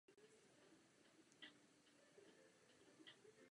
Keře a stromy se vstřícnými nebo střídavými jednoduchými listy bez palistů.